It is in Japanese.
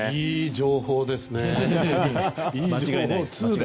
いい情報ですね！